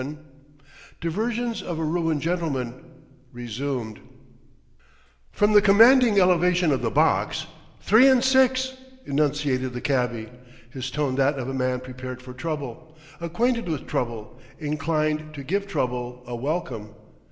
VII DIVERSIONS OF A RUINED GENTLEMAN RESUMED From the commanding elevation of the box, "Three 'n' six," enunciated the cabby, his tone that of a man prepared for trouble, acquainted with trouble, inclined to give trouble a welcome.